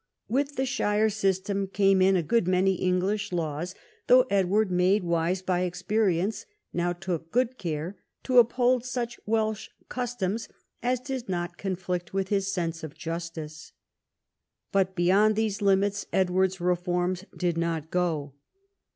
With VI THE CONQUEST OF THE PRINCIPALITY 115 the sliire system came in a good many English laws, though Edward, made wise by experience, now took good care to uphold such Welsh customs as did not con flict with his sense of justice. But beyond these limits Edward's reforms did not go.